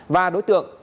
và đối tượng